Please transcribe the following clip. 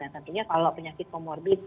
nah tentunya kalau penyakit comorbid